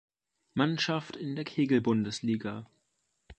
Mannschaft in der Kegel-Bundesliga.